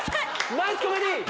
ナイスコメディー！